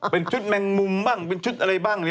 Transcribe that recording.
เป็นชุดแมงมุมบ้างเป็นชุดอะไรบ้าง